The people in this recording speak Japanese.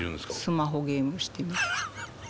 スマホゲームしてます。